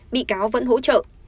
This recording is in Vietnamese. bị cáo vẫn hỗ trợ